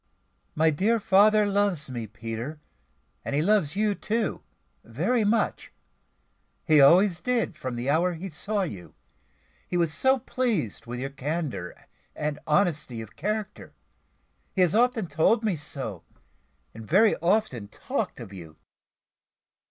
"My dear father loves me, Peter, and he loves you too, very much he always did, from the hour he saw you he was so pleased with your candour and honesty of character. He has often told me so, and very often talked of you."